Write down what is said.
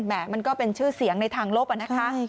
มันก็เป็นชื่อเสียงในทางลบอะนะคะ